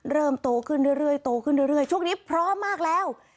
เริ่มโตขึ้นเรื่อยโตขึ้นเรื่อยช่วงนี้พร้อมมากแล้ว